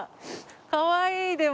かわいいでも。